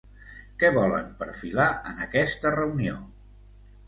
Què volen perfilar en aquesta reunió?